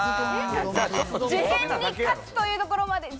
受験に勝つというところまで。